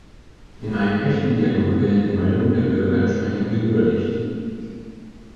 In einem echten Dialog werden die Meinungen der Bürger entsprechend gewürdigt.